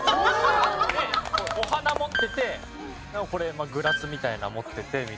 でお花持っててこれグラスみたいの持っててみたいな。